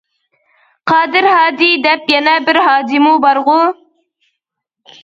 قادىر ھاجى دەپ يەنە بىر ھاجىمۇ بارغۇ.